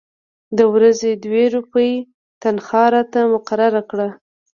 د ورځې دوې روپۍ تنخوا راته مقرره کړه.